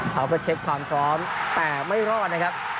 เขาก็เช็คความพร้อมแต่ไม่รอดนะครับ